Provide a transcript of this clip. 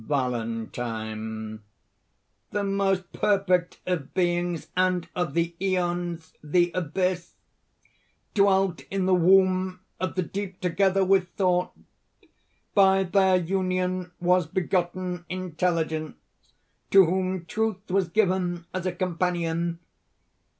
VALENTINE. "The most perfect of beings, and of the Æons, the Abyss; dwelt in the womb of the Deep together with Thought. By their union was begotten Intelligence, to whom Truth was given as a companion.